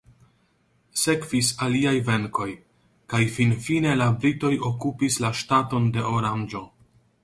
Sekvis aliaj venkoj kaj finfine la britoj okupis la ŝtaton de Oranĝo.